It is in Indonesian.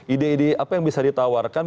ide ide apa yang bisa ditawarkan